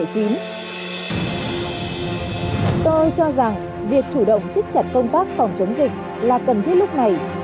tôi cho rằng việc chủ động xích chặt công tác phòng chống dịch là cần thiết lúc này